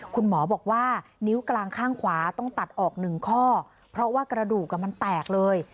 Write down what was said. คุณหมอบอกว่านิ้วกลางข้างขวาต้องตัดออกหนึ่งข้อเพราะว่ากระดูกมันแตกเลย